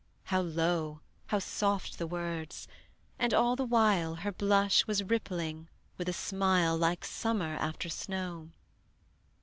how low, How soft the words; and all the while Her blush was rippling with a smile Like summer after snow.